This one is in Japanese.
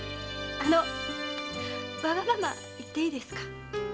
あのわがまま言っていいですか？